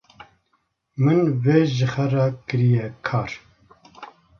min vê ji xwe re kirîye kar.